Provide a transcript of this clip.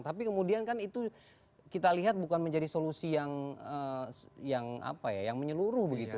tapi kemudian kan itu kita lihat bukan menjadi solusi yang menyeluruh begitu